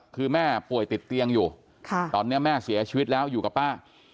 คือแม่ป่วยติดเตียงอยู่ตอนนี้แม่เสียชีวิตแล้วอยู่กับป้า